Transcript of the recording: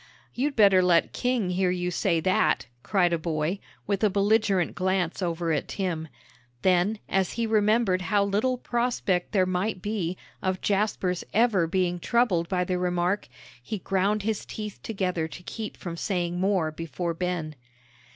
"You'd better let King hear you say that," cried a boy, with a belligerent glance over at Tim. Then, as he remembered how little prospect there might be of Jasper's ever being troubled by the remark, he ground his teeth together to keep from saying more before Ben.